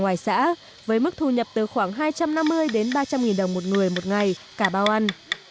ngoài xã với mức thu nhập từ khoảng hai trăm năm mươi đến ba trăm linh nghìn đồng một người một ngày cả bao ăn